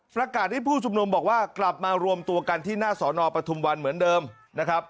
ให้ผู้ชุมนุมบอกว่ากลับมารวมตัวกันที่หน้าสอนอปทุมวันเหมือนเดิมนะครับ